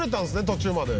途中まで」